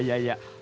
rupiah yang miskin